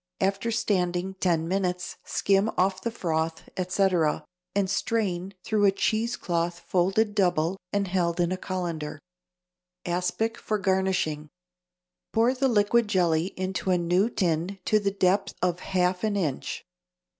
After standing ten minutes skim off the froth, etc., and strain through a cheese cloth folded double and held in a colander. =Aspic for Garnishing.= Pour the liquid jelly into a new tin to the depth of half an inch.